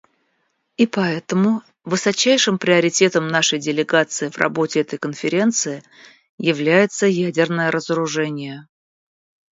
И поэтому высочайшим приоритетом нашей делегации в работе этой Конференции является ядерное разоружение.